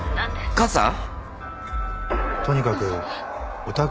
☎母さん？